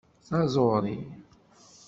D taẓuri.